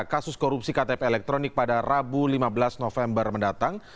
kasus korupsi ktp elektronik pada rabu lima belas november mendatang